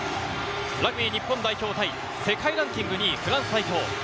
ラグビー日本代表対世界ランキング２位フランス代表。